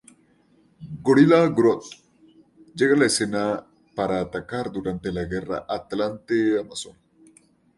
Gorilla Grodd llega a la escena para atacar durante la guerra atlante-amazona.